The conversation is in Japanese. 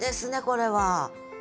これは。